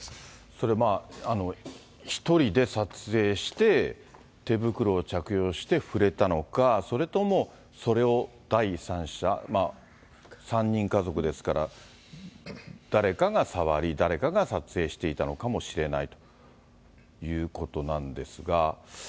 それまあ、１人で撮影して、手袋を着用して触れたのか、それともそれを第三者、まあ、３人家族ですから、誰かが触り、誰かが撮影していたのかもしれないということなんですが。